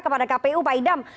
kepada kpu pak idam